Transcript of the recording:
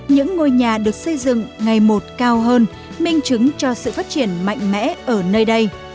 những ngôi nhà được xây dựng ngày một cao hơn minh chứng cho sự phát triển mạnh mẽ ở nơi đây